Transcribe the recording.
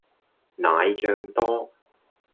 奶醬多